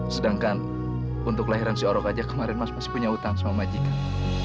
sedangkan untuk kelahiran si orok aja kemarin mas masih punya utang sama majikan